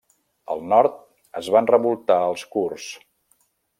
Al nord es van revoltar els kurds.